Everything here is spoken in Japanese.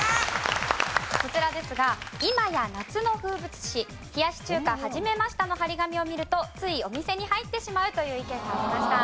こちらですが今や夏の風物詩「冷やし中華はじめました」の張り紙を見るとついお店に入ってしまうという意見がありました。